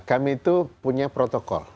kami itu punya protokol